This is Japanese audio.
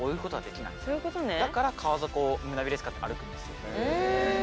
だから川底を胸ビレ使って歩くんです。